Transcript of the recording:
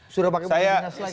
surabaya mau menyesal lagi